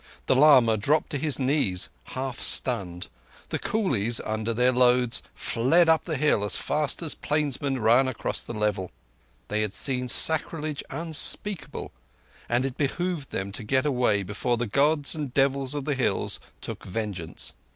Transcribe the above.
The lama dropped to his knees, half stunned; the coolies under their loads fled up the hill as fast as plainsmen run aross the level. They had seen sacrilege unspeakable, and it behoved them to get away before the Gods and devils of the hills took vengeance.